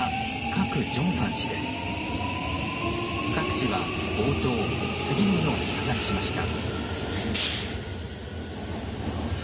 カク氏は冒頭次のように謝罪しました。